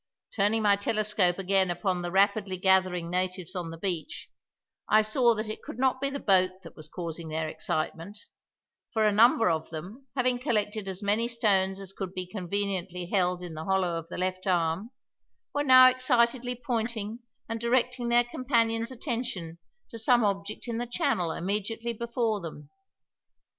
Turning my telescope again upon the rapidly gathering natives on the beach, I saw that it could not be the boat that was causing their excitement, for a number of them, having collected as many stones as could be conveniently held in the hollow of the left arm, were now excitedly pointing and directing their companions' attention to some object in the channel immediately before them.